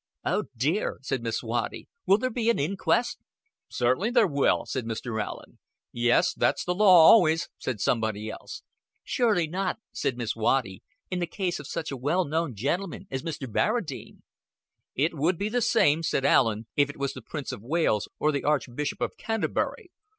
"Oh, dear!" said Miss Waddy. "Will there have to be an inquest?" "Certainly there will," said Mr. Allen. "Yes, that's the law always," said somebody else. "Surely not," said Miss Waddy, "in the case of such a well known gentleman as Mr. Barradine." "It would be the same," said Allen, "if it was the Prince of Wales, or the Archbishop of Canterbury.